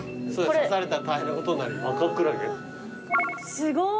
すごーい。